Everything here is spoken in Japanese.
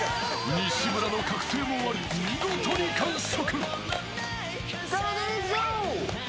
西村の覚醒もあり、見事に完食。